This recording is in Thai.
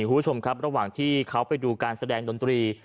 คุณผู้ชมครับระหว่างที่เขาไปดูการแสดงดนตรี